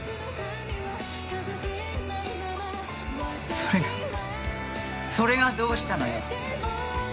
それがそれがどうしたのよ。